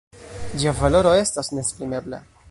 Ĝia valoro estas neesprimebla.